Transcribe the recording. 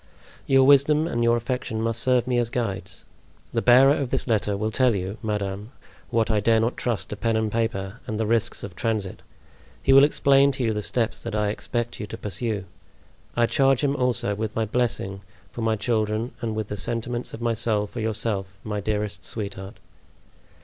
Your wisdom and your affection must serve me as guides. The bearer of this letter will tell you, madame, what I dare not trust to pen and paper and the risks of transit. He will explain to you the steps that I expect you to pursue. I charge him also with my blessing for my children and with the sentiments of my soul for yourself, my dearest sweetheart."